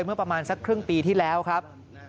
เมื่อประมาณสักครึ่งปีที่แล้วครับ